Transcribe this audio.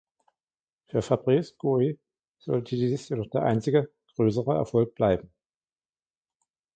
Für Fabrice Guy sollte dies jedoch der einzige größere Erfolg bleiben.